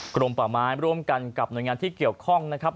กรมป่าไม้ร่วมกันกับหน่วยงานที่เกี่ยวข้องนะครับ